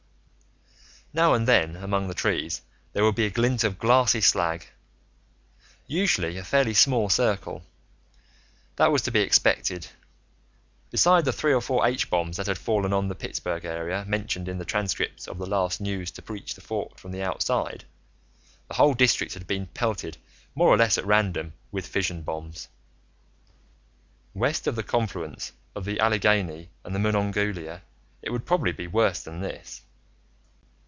Now and then, among the trees, there would be a glint of glassy slag, usually in a fairly small circle. That was to be expected: beside the three or four H bombs that had fallen on the Pittsburgh area, mentioned in the transcripts of the last news to reach the Fort from the outside, the whole district had been pelted, more or less at random, with fission bombs. West of the confluence of the Allegheny and the Monongahela, it would probably be worse than this.